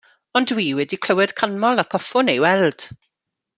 Ond dwi wedi clywed canmol ac hoffwn ei weld.